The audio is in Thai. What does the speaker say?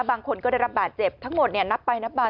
บางคนก็ได้รับบาดเจ็บทั้งหมดนับไปนับมา